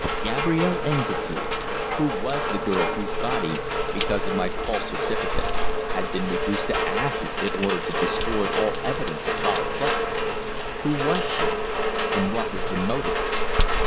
Gabrielle Engledue! Who was the girl whose body, because of my false certificate, had been reduced to ashes in order to destroy all evidence of foul play? Who was she and what was the motive?